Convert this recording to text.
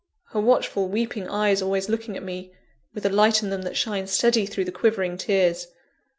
her watchful, weeping eyes always looking at me, with a light in them that shines steady through the quivering tears.